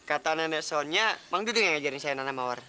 kata nenek sonia mang dudung yang ngajarin saya nanam awar